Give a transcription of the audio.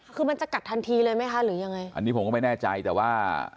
คือมันจะกัดทันทีเลยไหมคะหรือยังไงอันนี้ผมก็ไม่แน่ใจแต่ว่า